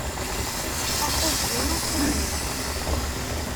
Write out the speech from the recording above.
Aḥuddu, aḥunnu!